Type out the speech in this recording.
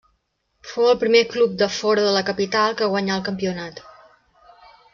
Fou el primer club de fora de la capital que guanyà el campionat.